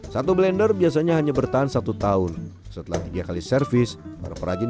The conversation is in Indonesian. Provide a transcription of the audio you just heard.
satu blender biasanya hanya bertahan satu tahun setelah tiga kali servis para perajin